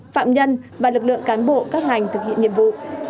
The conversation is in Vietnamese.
phạm nhân và lực lượng cán bộ các ngành thực hiện nhiệm vụ